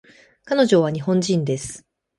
彼女は日本人です